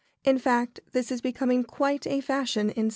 In fact, this is becoming quite a fashion in some sets.